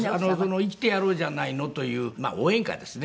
『生きてやろうじゃないの』という応援歌ですね。